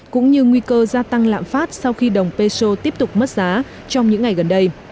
cũng như nguy cơ gia tăng lạm phát sau khi đồng peso tiếp tục mất giá trong những ngày gần đây